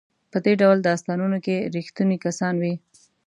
په دې ډول داستانونو کې ریښتوني کسان وي.